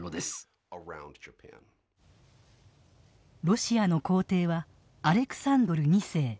ロシアの皇帝はアレクサンドル２世。